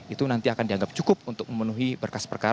itu nanti akan dianggap cukup untuk memenuhi berkas perkara